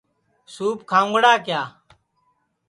سُوپ کھاؤنگڑا کِیا